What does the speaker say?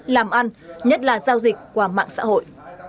làm ăn nhất là giao dịch qua mạng xã hội